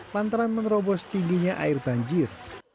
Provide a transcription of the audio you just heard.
lantaran menerobos tingginya air banjir